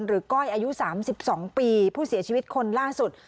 ก้อยอายุ๓๒ปีผู้เสียชีวิตคนล่าสุด